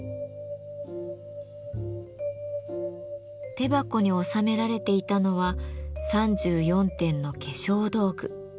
手箱に収められていたのは３４点の化粧道具。